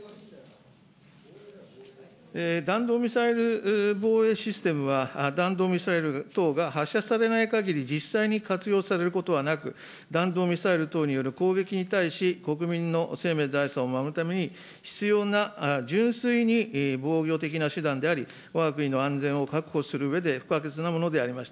弾道ミサイル防衛システムは、弾道ミサイル等が発射されないかぎり実際に活用されることはなく、弾道ミサイル等による攻撃に対し、国民の生命、財産を守るために必要な純粋に防御的な手段であり、わが国の安全を確保するうえで不可欠なものであります。